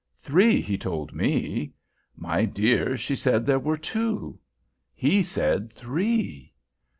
"Three, he told me." "My dear, she said there were two." "He said three."